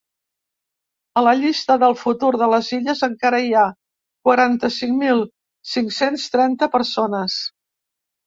A la llista de l’atur de les Illes encara hi ha quaranta-cinc mil cinc-cents trenta persones.